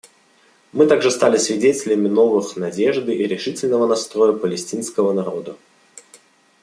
Мы также стали свидетелями новых надежды и решительного настроя палестинского народа.